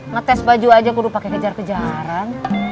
ngetes baju aja aku udah pake kejar kejaran